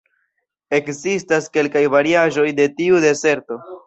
Ekzistas kelkaj variaĵoj de tiu deserto.